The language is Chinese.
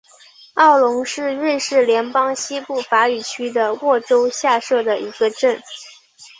奥龙是瑞士联邦西部法语区的沃州下设的一个镇。